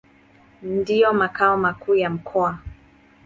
Ndio makao makuu ya mkoa.